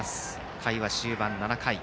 回は終盤、７回。